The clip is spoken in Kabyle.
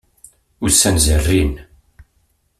Ussan zerrin.